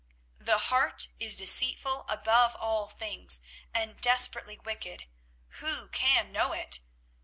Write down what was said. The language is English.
24:017:009 The heart is deceitful above all things, and desperately wicked: who can know it?